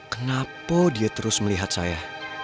kenapa dia terus melihat saya